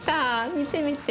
見てみて。